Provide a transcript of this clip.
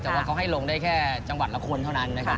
แต่ว่าเขาให้ลงได้แค่จังหวัดละคนเท่านั้นนะครับ